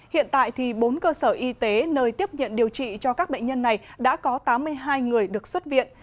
hiện tại bốn cơ sở y tế nơi tiếp nhận điều trị cho các bệnh nhân này đã có tám mươi hai người được xuất viện